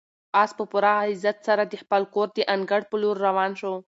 آس په پوره عزت سره د خپل کور د انګړ په لور روان شو.